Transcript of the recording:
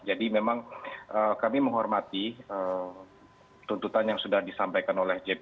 jadi memang kami menghormati tuntutan yang sudah disampaikan oleh jpk